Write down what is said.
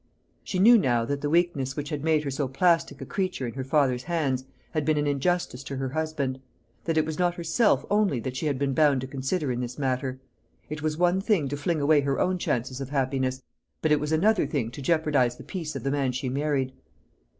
She knew now that the weakness which had made her so plastic a creature in her father's hands had been an injustice to her husband; that it was not herself only she had been bound to consider in this matter. It was one thing to fling away her own chances of happiness; but it was another thing to jeopardise the peace of the man she married.